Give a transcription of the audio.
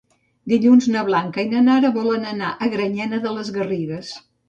Dilluns na Blanca i na Nara volen anar a Granyena de les Garrigues.